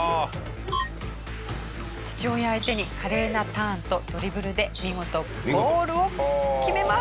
父親相手に華麗なターンとドリブルで見事ゴールを決めます。